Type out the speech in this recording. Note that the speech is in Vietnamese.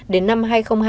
đến năm hai nghìn hai mươi